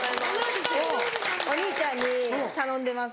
お兄ちゃんに頼んでます